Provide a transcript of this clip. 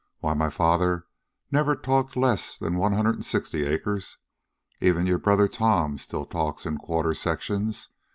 Why, my father never talked less'n one hundred an' sixty acres. Even your brother Tom still talks in quarter sections.